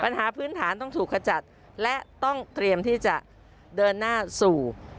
ปัญหาพื้นฐานต้องถูกขจัดและต้องเตรียมที่จะเดินหน้าสู่